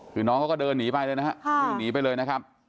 คือน้องเขาก็เดินหนีไปเลยนะครับ